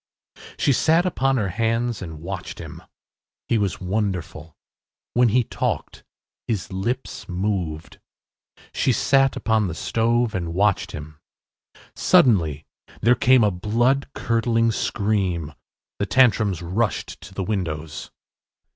She sat upon her hands and watched him. He was wonderful. When he talked his lips moved. She sat upon the stove and watched him. Suddenly there came a blood curdling scream. The Tantrums rushed to the windows.